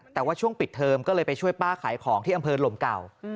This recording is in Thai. แต่ว่าช่วงปิดเทอมก็เลยไปช่วยป้าขายของที่อำเภอลมเก่า